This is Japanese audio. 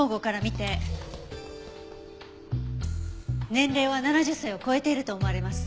年齢は７０歳を超えていると思われます。